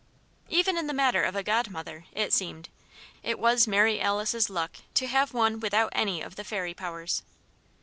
Even in the matter of a godmother, it seemed, it was Mary Alice's luck to have one without any of the fairy powers.